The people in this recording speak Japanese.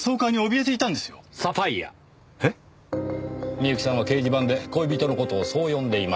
美由紀さんは掲示板で恋人の事をそう呼んでいました。